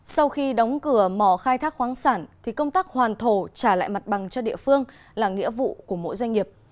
sau khi đóng cửa mỏ khai thác khoáng sản thì công tác hoàn thổ trả lại mặt bằng cho địa phương là nghĩa vụ của mỗi doanh nghiệp